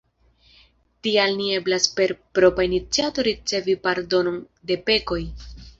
Tial ne eblas per propra iniciato ricevi pardonon de pekoj.